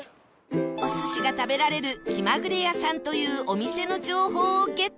お寿司が食べられるきまぐれやさんというお店の情報をゲット